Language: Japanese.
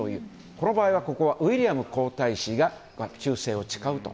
この場合はウィリアム皇太子が忠誠を誓うと。